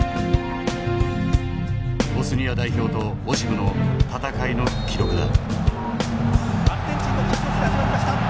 ボスニア代表とオシムの戦いの記録だ。